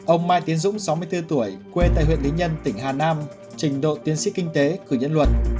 ông mai tiến dũng sáu mươi bốn tuổi quê tại huyện lý nhân tỉnh hà nam trình độ tiến sĩ kinh tế cử nhân luật